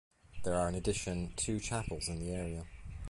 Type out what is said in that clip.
There are in addition two chapels in the area.